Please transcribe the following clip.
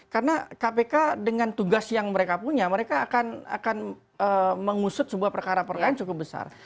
karena kpk dengan tugas yang mereka punya mereka akan mengusut sebuah perkara perkara yang cukup besar